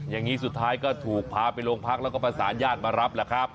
อย่างนี้สุดท้ายก็ถูกพาไปโรงพักแล้วก็ประสานญาติมารับแล้วครับ